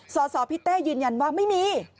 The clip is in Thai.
สสพี่เต้ยืนยันว่าไม่มี